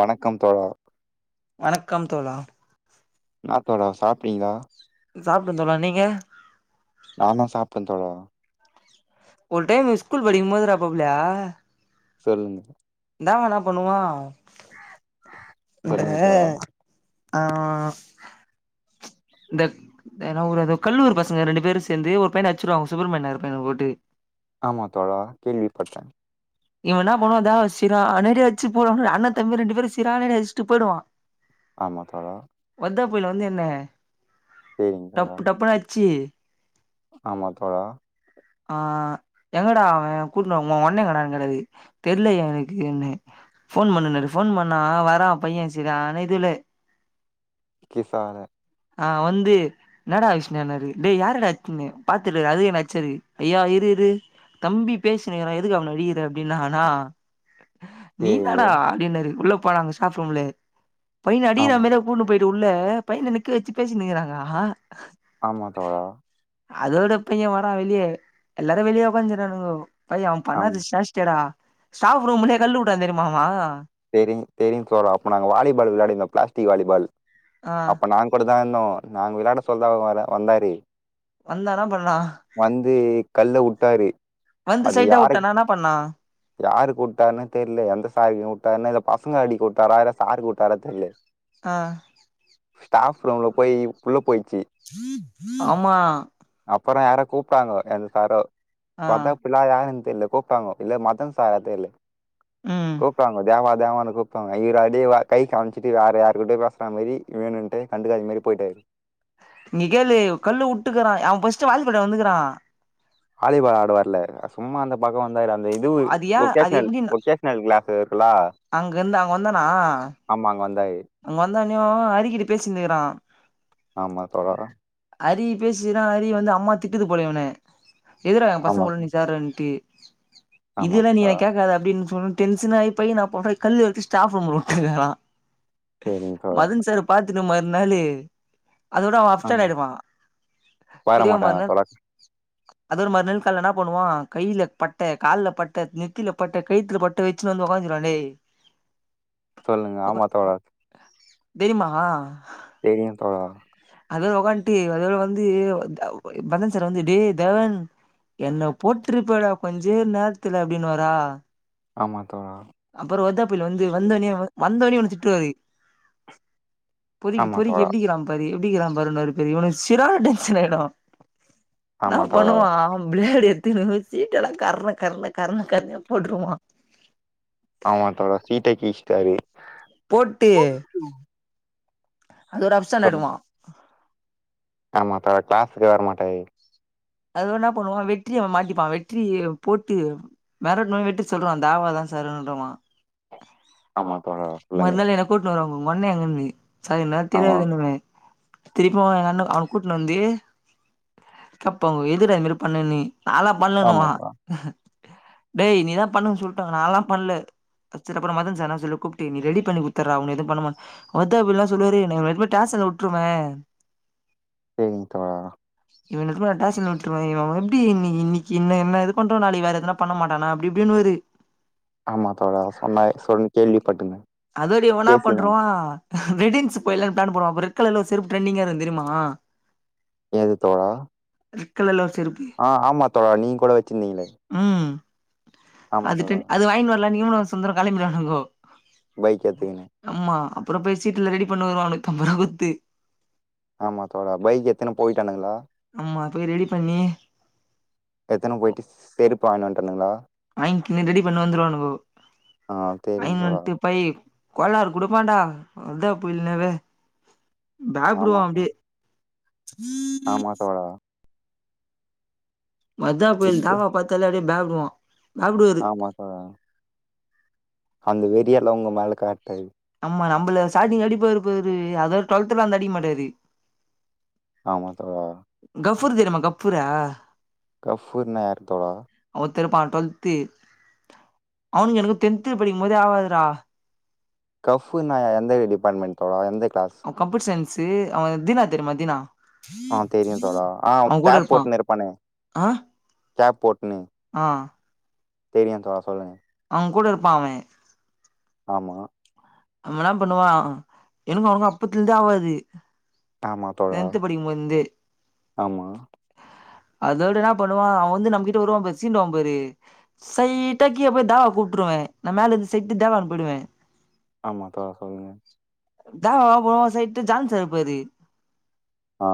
வணக்கம் தோழா வணக்கம் தோழா ன்னா தோழா சாப்டீங்ளா சாப்ட தோழா நீங்க நா தா சாப்ட தோழா ஒரு டைம்ல ஸ்கூல் படிக்கு போதுடா பப்ல சொல்லுங்க ன்னா வேணா பண்ணுவா இந்த சொல்லுங்க தோழா ஆ இந்த என்னா ஊர் அது கல்லூர் பசங்க ரெண்டு பேரு சேர்ந்து ஒரு பையன அச்சுருவாங்க சுப்பிரமன்யார் பையன போட்டு ஆமா தோழா கேள்விப்பட்ட [unintelligible] ஆமா தோழா வர்தா புயல் வந்து என்ன சேரிங்க தோழா டப்பு டப்புனு அட்ச்சு ஆமா தோழா ஆ எங்கடா அவ கூட்டு உ ஒண்ணே எங்கடா கரது தெர்ல எனக்குன்னு ஃபோன் பண்ணுணாரு ஃபோன் பண்ணா வரா பைய செரியானா இதுல கிசான ஆ வந்து இன்னாடா விஷ்ணுன்னாரு டேய் யாரடா [unintelligible] பாத்துட்டுரு அது என் சரி ஐயா இரு இரு தம்பி பேசினிருக்குறா எதுக்கு அவன அடிகிற அப்டின்னா ஆனா நீ சேரிங்க என்னாடா அப்டின்னாரு உள்ள போன அங்க ஸ்டாப் ரூம்ல பையன அடிகர ஆமா மா கூட்ன்னு போயிட்டு உள்ள பையன நிக்க வச்சு பேசினுருக்குறாங்க ஆமா தோழா அதோட பைய வரா வெளிய எல்லாரு வெளிய உக்காந்துருக்கனுங்கோ பைய அவன் ஆமா பண்ணாத சேஷ் சடா ஸ்டாப் ரூம்லயே கல்லு உட்டா தெரியுமா அவ தெரி தெரியு தோழா அப்போ நாங்க வாலிபால் விளாடிருந்தோ பிளாஸ்டிக் வாலிபால் ஆ அப்ப நாங் க மட்டுதாருந்ததோ நாங்க விளாட சொல்தா வ வந்தாரு வந்தா என்ன பண்ணா வந்து கல்ல உட்டாரு வந்து அது சைட்டா யாருக் வுட்டானா என்ன பண்ணா யாருக் உட்டாருன்னு தெர்ல எந்த சாருக் உட்டார்ன்னு இந்த பசங்க அடிக் உட்டாரா இல்ல சாருக் உட்டாரா தெர்ல ஆ ஸ்டாஃப் ரூம்ல போய் உள்ள போய்ச்சு ஆமா அப்ற யாரோ கூப்ட்டாங்க எந்த சாரோ ஆ பாத்தா பின்னால யாருன் தெர்ல கூப்ட்டாங்கோ இல்ல மத் தன் சாரா தெர்ல ம் கூப்ட்டாங்க தேவா தேவானு கூ இப்ப அவ ஈரடி கை காமிச்ட்டு வேற யாரு கிட்டயோ பேசுற மாரி வேணுன்ட்டு கண்டுகாத மாரி போய்ட்டாரு இங்க கேளு கல்லு உட்டுக்குறா அவன் ஃபர்ஸ்ட் வாலிபால்ல வந்துக்குறா வாலிபால் ஆடவர்ல சும்மா அந்த பக்க வந்தாரு அந்த இது அது ஏன் ஒகேஷ்னல் ஒகேஷ் னல் கிளாஸ் இருக்குல அங்கருந்து அங்க வந்தானா ஆமா அங்க வந்தாரு அங்க வந்தோனோ அரிக்கிட்ட பேசினிருக்குறா ஆமா தோழா அரி பேசனா அரி வந்து அம்மா திட்டுது போல இவன எதுடா எங்க பசங்க ஆமா கூட நீ சேரன்ட்டு இது ஆமா எல்லா நீ தோழா என் கேக்காத அப்டின்னு சொன் டென்சன் ஆயி போயி நா பொக கல் எடுத்து ஸ்டாப் ரூமுல வுட்டுனு இருக்குறா சரிங்க தோழா மதன் சார் பாத்துட்டு மறுநாளு அதோட அவ ஆ, அப்ஸ்டட் ஆயிடுப்பா வர மாட்டாங்க தெரியமாருன தோழா அதோட மறுநாள் கால என்ன பண்ணுவா கையில பட்ட கால்ல பட்ட நெத்தில பட்ட கயித்துல பட் ட வச்சுனு வந்து உக்காந்துருவா டே சொல்லுங்க ஆமா தோழா தெரிமா தெரியு தோழா அதோட ஒக்காண்டு அதோட வந்து பதன் சார் வந்து டே தேவன் என்ன போட்ருப்படா கொஞ்சே நேரத்துல அப்டின்னு வாரா ஆமா தோழா அப்பறோ ஒத்தாப்புயல் வந்து வந்தோனே வந்தோனே வந்து திட்டுவாரு பொறிக்கி ஆமா பொறிக்கி தோழா எப்டிகிறா பாரு எப்டிகிறா பாருன்ணுவாரு பேரு இவனு சிறான டென்ஷன் ஆயிடு ன்னா ஆமா தோழா பண்ணுவா பிளேடு எத்துனு சீட்டலா கரண கரண கரண கரணையா போட்டுருவா ஆமா தா சீட்ட கிழிச்ட்டாரு போட்டி அது ஒரு சொல்லுங்க அப்ஷன்டாயிடுவா ஆமா தோ கிளாஸுக்கு வர மாட்டே அதுன்னா பண்ணுவா வெற்றிய அவ மாட்டிப்பா வெற்றிய போட்டு மெரட்னோன வெற்றி சொல்றுவா தேவா தா சாருன்றமா ஆமாபா புள்ளைங்க கூப்ட்டு வருவாங்க மண்ணு எங்கனு சரி நா ஆமா தெரியாதுன்னுமே திருப்பியு எங்க அண்ண அங்க கூட்னு வந்து இப்பங்க எதிர அது மாரி பண்ண நீ நால்லா ஆமா பண்ணலணுவா தோழா டேய் நீதா பண்ணுன்னு சொல்டாங்க நான்லா பண்ல சரி அப்புற மதன் சார்னா சொல்லு கூப்ட்டு நீ ரெடி பண்ணி குத்துர்றா ஒன்ன எது பண்ண மாட் ஒத அப்பல்லா சொல்லுவாரு என்ன வேணுனா டேசன்ல வுட்ருவ சரிங் தவறா இவனுக்லா டேஸ் சன்ல விட்டுரு எப்டி இன்னி இன்னிக்கி என்ன என்ன இது பண்றோ நாளைக்கு வேற எதன பண்ண மாட்டானா அப்டி இப்டினுவாரு ஆமா தோழா சொன்ன சொன் கேள்வி பட்ருந்த அதோடி இவ என்னா பண்றுவா ரெடின்ஸ் போயலா பிளான் போடுவ அப்ப ரெட் கலர்ல ஒரு செருப்பு ட்ரென்டிங்கா இருந்து தெரிமா எது தோழா ரெட் கலர்ல ஒரு செருப்பு ஆ ஆமா தோழா நீங்க கூட வச்சிருந்தீங்களே ம் ஆமா அது தோழா ட்ரெண் அது வாங்கினு வரலா இவனுக்கு சுந்தரு கெளம்பிடுவானுங்கோ பைக் எத்துக்குன்னு ஆமா அப்புற போய் சீட்டுலா ரெடி பண்ணு வருவா நூன்னுத்தம்பரூவா குடுத்து ஆமா தோழா பைக் எத்துன்னு போயிட்டானுங்களா ஆமா போய் ரெடி பண்ணி எத்தனை போயிட்டு செருப்பு வாங்கினு வன்டானுங்களா வாங்கின்னு ரெடி பண்ணி வந்துருவானுங்கோ ஆ சரிங்க வாங்கினு தோழா வந்துட்டு பை கோளாறு கொடுப்பாண்டா அதா போலனவே பேப்டுவோ ஆமா அப்டியே மாத்தவாடா மதா கோயில் இப்ப தேவா பாத்தாலே அப்டியே பயபடுவான் ஆமா தோழா அந்த வெறியெல்லா உங்க மேல காட்டாகு ஆமா நம்ம நம்மள ஸ்டார்டிங்ல அடிப்பாரு பாரு அதாவது டுவெல்த்ல அந்த அடிக் மாட்டாரு ஆமா தோழா கஃபூர தெரிமா கப்பூரா கஃபூர்னா யார் தோழா ஒருத்தன் இருப்பான் டுவெல்த்து அவனுக்கு எனக்கு டென்த்து படிக்கும்போதே ஆவாதுடா கஃபூனா எந்த டிபார்ட்மெண்ட் தோழா எந்த கிளாஸ் அவ கம்ப்யூட்டர் சயின்ஸு அவுங் தீனா தெரிமா தீனா ஆ தெரியு தோழா ஆ அவுங்கூட கேப் இருப்பான் போட்டுன்னு இருப்பானே ஆ ஆ தெரியுன் தோழா சொல்லுங்க அவுங் கூட இருப்பான் அவன் ஆமா நம்மல்லா பண்ணுவான் எனக்கு அவனுக்கு அப்பத்துலந்தே ஆவாது ஆமா தோழா டென்த் படிக்கும்போதிந்தே ஆமா அதோட என்னா பண்ணுவான் அவன் வந்து நம்ம கிட்ட வருவான் பாரு சீனுவான் பாரு ஸ்சைட்டா கீழ போய் தாவ கூப்ட்ருவேன் நா மேல இந்து செட் தேவான் போய்டுவேன் ஆமா தோழா சொல்லுங்க தேவா வா போவோ சைட்டு ஜான் சார் இருப்பாரு ஆ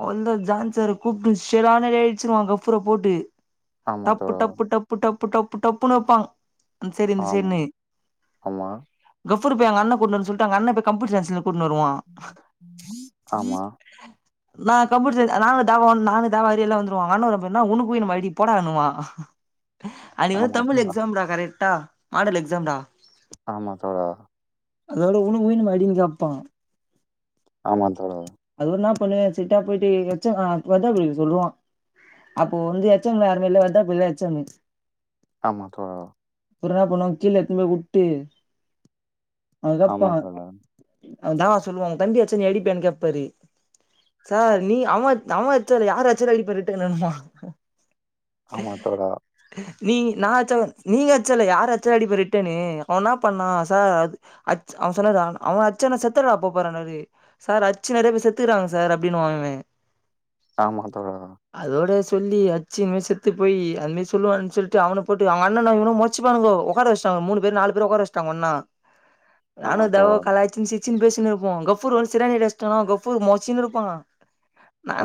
அவந்தா ஜான் சார கூப்ட்டு ஷெலானரே அழிச்சுருவான் கஃபூர போட்டு ஆமா டப்பு தோழா டப்பு டப்பு டப்பு டப்பு டப்புன்னு வெப்பான் ஆமா ஆமா கஃபூர போய் எங்க அண்ண கூன்டு வர சொல்ட்டு எங்க அண்ண போய் கம்யூர் சன்ஸ்ல கூன்டு வருவான் ஆமா நா கம்ப்யூட்டர் சயின் நானு தேவா நானு தேவாரியெல்லா வந்துருவான் எங்க அண்ண என்ன பண்ணா உன்க்கு என்ன மாரி போடா எண்ணுவான் அனைக்கு வந்து ஆமா தமிழ் தோழா எக்ஸாம்டா கரெக்ட்டா மாடல் எக்ஸாம்டா ஆமா தோழா அதோட உன்க்கு வேணுமா அடின்னு கேப்பான் ஆமா தோழா அது ஒன்னா பண்ணுவ சிட்டா போய்ட்டு எச்சா அ ப்இதா போய் சொல்லுவான் அப்போ வந்து எச் ம்ல யாருமெ இல்ல அதா புது எச் ம் ஆமா தோழா அப்றோ என்ன பண்ணுவோ கீழ எத்துன்னு போய் வுட்டு அதுதா பா ஆமா தோழா அதா சொல்லுவான் உன் தம்பி அச்சா நீ அடிப்பயான்னு கேப்பாரு சார் நீ அவன் அவன் அச்சாலூ யார் அச்சாலு அடிப்பன் ரிட்டனுவான் ஆமா தோழா நீங் நா அச்சாலு நீங்க அச்சாலு யார் அச்சாலு அடிப்பாரு ரிட்டனூ அவனா ப்பனா சார் அது அச் அவன் சொன்னாரு அ அவன் அச்சானா நா செத்தரவா போ போறனாறு சார் அச்சு நெறயா பேர் செத்துகறாங்க சார் அப்டின்னுவான் இவன் ஆமா தோழா அதோட சொல்லி அட்ச்சு இந்த மாரி செத்துப்போயி அந்த மாயி சொல்லுவாருன் சொல்ட்டு அவன போட்டு அவ்ங்க அண்ணனு இவனு மொத் ச்சுபானுங்கோ ஒக்கார வச்டாங்க மூணு பேரு நாலு பேர ஒக்கார வச்டாங்க ஒன்னா நானு ஆமா எதோவ் தோழா கலாய்சின் சிரி ச்சின் பேசினுருப்போ கஃப்ஃபூர் வந்து சிரானிய அடிச்டனா கஃப்ஃபூரு மொர்ச்சினுருப்பா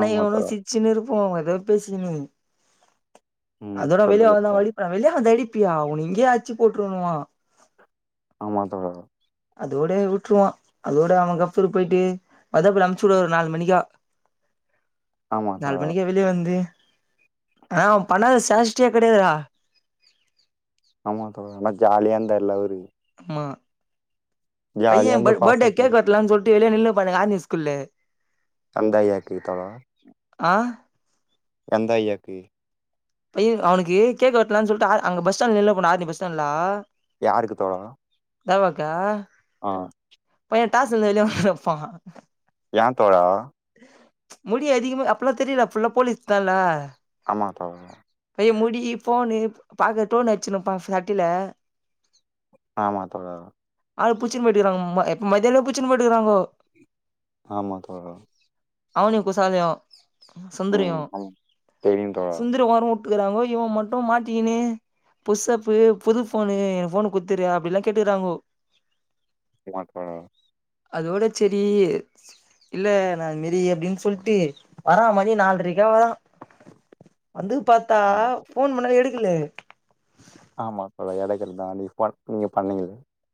ஆமா தோழா ஆமா இவனு தோழா சிரி ச்சின்னு இருப்போ எதோ பேசிக்கினு ம் அதோட வெளிய சொல்லுங்க ஆவனா தோழா வழி அ வெள்ளயா இது அடிப்பியா உன்ன இங்கயே ஆட்ச்சு போட்டுருணுவா ஆமா தோழர் அதோட விட்டுருவா அதோட அவ கப்பூரு போயிட்டு அத அப்ற அம்சுடுவாரு நாலு மணிக்கா உம் நாலு மணிக்கே வெளிய வந்து ஆ பண்ணாத சேஷிட்டியே கெடையாதுறா ஆமா தோழர் நல்லா ஜாலியா இருந்த எல்லாமே இருக்கு ஆமா பைய ஜாலியா வந்து பேட் பாஸ் பேட்டே ஆயிட்டாரு கேக் வெட்லானு சொல்ட்டு வெளிய நின்னுருபானுங்க ஆர்மி ஸ்கூல்லு கந்த ஐயாக்கு இத்தனா ஆ கந்த ஐயாக்கு ஏ அவனுக்கு ஏழு கேக் வெட்லான் சொல்ட்டு ஆர் அங்க பஸ் ஸ்டாண்ட்லேலா போன ஆரணி பஸ் ஸ்டாண்ட்லா யாருக்கு தோழா தேவாக்கு ஆ பைய டாஸ் இந்த வெளியாதா வெப்பா யா தோழா முடி அதிகமா அப்பலா தெரியல அப்புள்ள போலீஸ் தான்ல ஆமா தோழர் ஏ முடி போனு பாக்கட்டுன் வச்சுனுப்பா சாட்டுல ஆமா தோழா ஆள் புட்ச்சின்னு போயிட்டுகிறாங்கம்மா எப்போ மத்தியானமே புட்ச்சின்னு போயிட்டுக்கிறாங்கோ ஆமா தோழா அவனுக்கு குசாலியு ம் சுந்தரியு ஆமா தெரியும் தோழா சுந்தரி வரு ட்டுக்குறாங்கோ இவ மட்டு மாட்டிக்கினு புஷப்பு புது ஃபோனு எனக்கு ஃபோனு குட்த்திரியா அப்டிலா கேட்டுக்கிறாங்கோ லாக்டவ்ன் அதோட சேரி இல்ல நா இது மாரி அப்டின் சொல்ட்டு வரா மதிய நால்ரைக்கா வரா வந்து பாத்தா ஆ ஃபோன் பண்ணா எடுக்கல ஆமா தோழா எடுக்கறது தா நீ ஒர்க் நீங்க பண்ணுனீங்க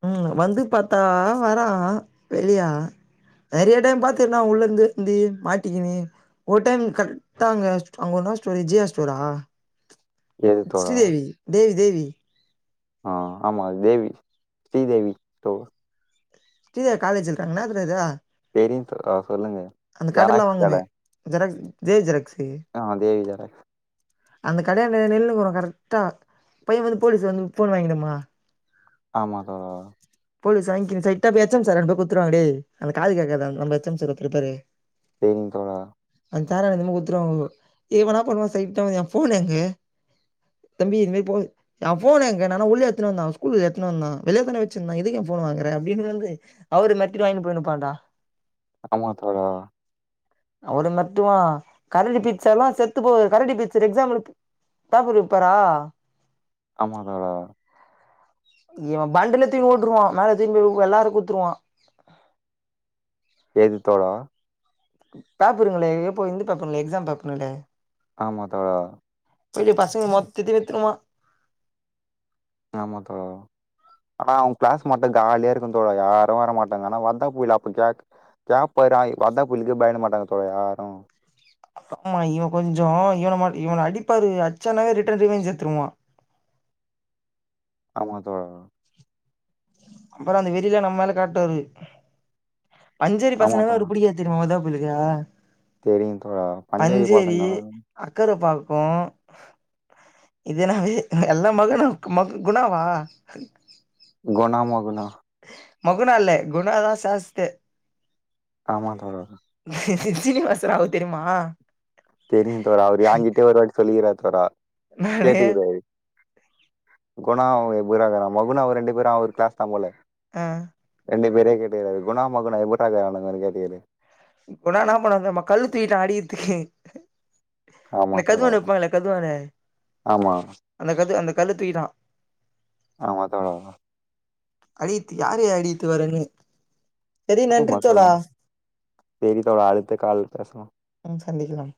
ம் வந்து பாத்தா வரா வெளிய நெறையா டைம் பாத்துருக்கனா உள்ள இருந்து வந்து மாட்டிக்கினு ஒரு டைம் கரெக்டாங்க அங்கதா ஸ்டோரு ஜியா ஸ்டோரா எது தோழா ஸ்ரீதேவி தேவி தேவி ஆ ஆமா தேவி ஸ்ரீதேவி போ ஸ்ரீ தேவி காலேஜ் இருக்காங் என்னதுடா இது தெரியு தோழா சொல்லுங்க அந்த கடலா ஜெராக்ஸ் கட வாங்குமே ஜெராக்ஸ் ஜே ஜெராக்ஸு ஆ அது வேற அந்த கடையாண்ட நின்னுகோனு கரெக்டா பைய வந்து போலீஸ் வந்து ஃபோன் வாங்கிடுமா ஆமா தோழா. போலிஸ் வாய்ங்கினு ச எட்டப் ஹெச் எம் சாரான போ குத்துருவாங்க டேய் அந்த காது கேக்காது அந் நம் ஹெச் எம் சார் ஒருத்துருப்பாரே. தேரிங் தோழா. அந் சாராட எத்துன்மோ குத்துருவாங்கோ. இவ என்னா பண்ணுவா செயிட்டா வந்து எ ஃபோன் எங்க தம்பி இது மாரி போது எ ஃபோன் எங்க நா நா உள்ள எத்துனு வந்தா ஸ்கூலுகு எத்துனு வந்தா வெளிய தான வெ ச்சிந்த எதுக்கு எ ஃபோனு வாங்கற அப்டினு வந்து அவுர மெரட்டிட்டு வாங்னு போயினுப்பாண்டா. ஆமா தோழா. அவட மெர்ட்டுவா கரடி பீட்ஸ் எல்லா செத்து போவு கரடி பீட்சரு எக்சாம்ல ப் பேப்பரு விப்பாரா? ஆமா தோழா. இவ பண்டில தூக்கின் ஓட்ருவா மேல தூக்கின் போயி உ எல்லாருக் குத்துருவா. எது தோழா? பேப்பருங்களே எப்போ இந்து பேப்பருங்களே எக்ஸாம் பேப்பருங்களே. ஆமா தோழா. போயி பசங்க மொத்தத்தி வித்துருவா. ஆமா தோழா. ஆனா அவுங் கிளாஸ் மட்டு காலியா இருக்கு தோழா யாரு வர மாட்டாங்க ஆனா வந்தா போய் லப்புக்யாக் கியா பர் ஆயி வந்தா புலிகே பாய்ன மாட்டாங்க தோழா யாரு. ஆமா இவ கொஞ்சோ இவன ம இவன அடிப்பாரு அச்சானாவே ரிட்டன் ரிவைன்ஞ் எத்துருவா. ஆமா தோழா. அப்பறோ அந்த வெறில்லா நம் மேல காட்டுவாரு பஞ்சேரி ஆமா பசங்கனாவே தோழா அவுருக் புடிக்காத். தெரிமா [unintelligible] தெரியு தோழா பஞ்சேரி பசங்தானா. அக்கற பாக்கு. இது என்னாது எல்லா மகனுக் மகு குணாவா இக் குணா மகுனா மகுனா அல்லே குணானா சாஸ்தே. ஆமா தோழா. சீனிவாச ராவ் தெரிமா? தெரியு தோழா அவரு ஏங்கிட்டயே ஒருவாட்டி சொல்லிகிறார் தோழா நானு கேட்டுக்கிறாரு. குணா [unintelligible] மகுனா அவ ரெண்டு பேரு அவுரு கிளாஸ் தா போல. ம். ரெண்டு பேரையு கேட்டுகிறாரு குணா மகுனா எப்பறா இக்குறாணுங்கோன் கேட்டுக்கிறாரு. குணா இன்னா பண்ணாந் தெரிமா கல்லு தூக்கிட்டா அடிகிதிக்கு. ஆமா இந்த தோழா கதுவானு விப்பாங்கள்ல கதுவானு ஆமா. அந்த கது அந்த கல்லு தூக்கிட்டா. ஆமா தோழா. அடிகித்து யாரயா அடிகித்து வரன்னு. சரி ஆமா நன்றி தோழா சேரி தோழா அடுத்த கால் பேசலா. ம் சந்திக்கலாம்.